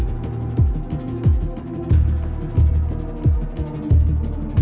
เป็นนี่ก็ต้องจ่ายไม่ใช่ไม่จ่าย